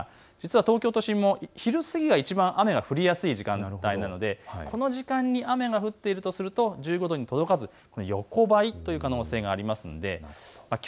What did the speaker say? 東京都心も昼過ぎがいちばん雨の降りやすい時間帯なのでこの時間帯に雨が降っているとすると１５度に届かず横ばいという可能性もあります。